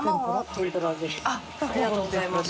ありがとうございます。